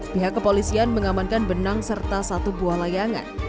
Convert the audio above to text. pihak kepolisian mengamankan benang serta satu buah layangan